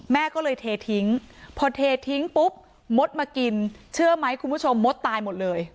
แม่ก็เลยเททิ้งพอเททิ้งปุ๊บมดมากินเชื่อไหมคุณผู้ชมมดตายหมดเลย